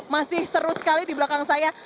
masih seru sekali di belakang saya